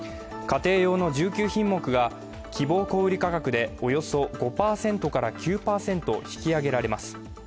家庭用の１９品目が希望小売価格でおよそ５％から９％引き上げられます。